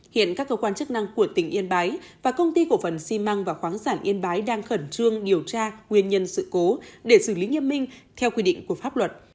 hiện các cơ quan chức năng của tỉnh yên bái và công ty cổ phần xi măng và khoáng sản yên bái đang khẩn trương điều tra nguyên nhân sự cố để xử lý nghiêm minh theo quy định của pháp luật